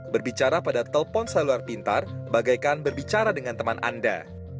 berbicara pada telpon seluar pintar bagaikan berbicara dengan teman anda